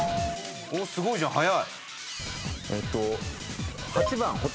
すごいじゃん。